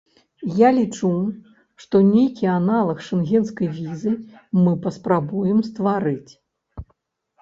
Я лічу, што нейкі аналаг шэнгенскай візы мы паспрабуем стварыць.